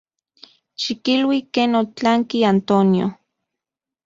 Xikilui ken otlanki Antonio.